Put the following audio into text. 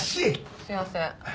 すいません。